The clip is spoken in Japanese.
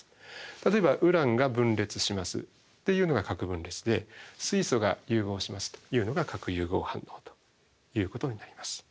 例えばウランが分裂しますっていうのが核分裂で水素が融合しますというのが核融合反応ということになります。